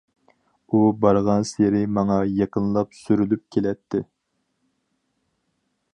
ئۇ بارغانسېرى ماڭا يېقىنلاپ سۈرۈلۈپ كېلەتتى.